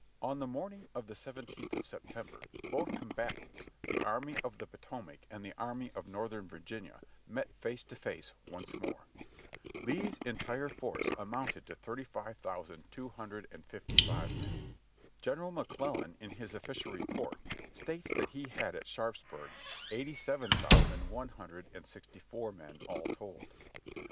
On the morning of the seventeenth of September both com batants, the Army of the Potomac and the Army of Northern Vir ginia, met face to face once more. Lee's entire force amounted to thirty five thousand two hundred and fifty five men. (Adjutant General Taylor's book, ''Four Years With General Lee," page y2) ) General McClellan in his Official Report states that he had at Sharpsburg eighty seven thousand one hundred and sixty four men all told.